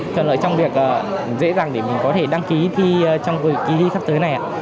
thuận lợi trong việc dễ dàng để mình có thể đăng ký thi trong kỳ thi sắp tới này